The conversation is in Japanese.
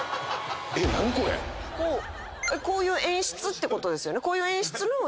こういう演出ってことですよね？